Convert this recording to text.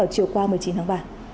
chiều qua một mươi chín tháng ba